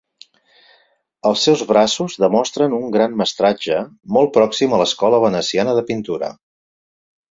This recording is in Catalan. Els seus braços demostren un gran mestratge molt pròxim a l'escola veneciana de pintura.